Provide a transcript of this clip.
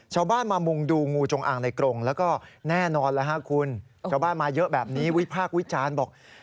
ชาวบ้านมามุงดูงูจงอางในกรงแล้วก็แน่นอนแล้วฮะคุณชาวบ้านมาเยอะแบบนี้วิพากษ์วิจารณ์บอก